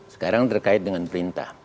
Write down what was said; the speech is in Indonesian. sekarang terkait dengan perintah